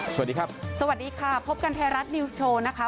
สวัสดีครับสวัสดีค่ะพบกันไทยรัฐนิวส์โชว์นะคะ